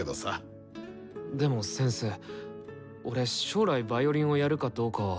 でも先生俺将来ヴァイオリンをやるかどうかは。